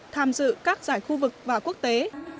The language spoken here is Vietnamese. tham dự các giải khu vực và quốc tế